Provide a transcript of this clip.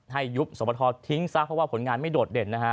ให้ยุบสมททธ์ทิ้งซากเพราะว่าผลงานไม่โดดเด่น